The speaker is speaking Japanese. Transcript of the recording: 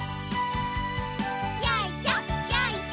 よいしょよいしょ。